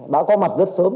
đã có mặt rất sớm